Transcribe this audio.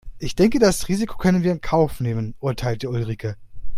Ich denke das Risiko können wir in Kauf nehmen, urteilte Ulrike.